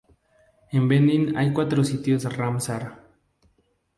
En Benín hay cuatro sitios Ramsar.